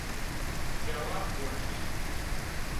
撟仔原理